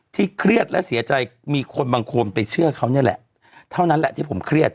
เครียดและเสียใจมีคนบางคนไปเชื่อเขานี่แหละเท่านั้นแหละที่ผมเครียด